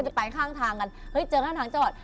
ไปข้างทางกันเฮ้ยเจอข้างทางจอด